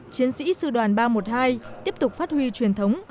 chiến sĩ sư đoàn ba trăm một mươi hai tiếp tục phát huy truyền thống